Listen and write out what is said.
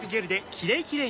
「キレイキレイ」